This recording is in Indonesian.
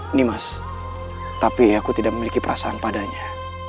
ini mas tapi aku tidak memiliki perasaan padanya